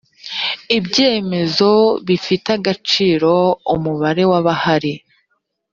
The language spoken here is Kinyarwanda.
ibyemezo bifite agaciro umubare w abahari